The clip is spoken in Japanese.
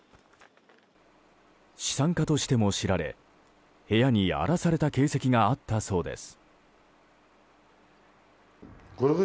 資産家としても知られ部屋に荒らされた形跡があったそうです。